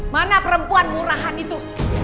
mana perempuan murahan itu